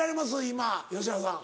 今吉原さん。